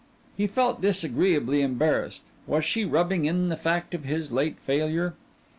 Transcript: He felt disagreeably embarrassed. Was she rubbing in the fact of his late failure?